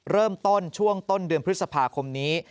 เริ่มต้นช่วงต้นเดือนพฤษภาคมนี้